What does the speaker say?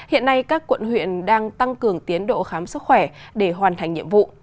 hiện nay các quận huyện đang tăng cường tiến độ khám sức khỏe để hoàn thành nhiệm vụ